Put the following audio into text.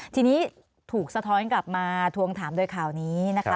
ทีนี้ถูกสะท้อนกลับมาทวงถามโดยข่าวนี้นะคะ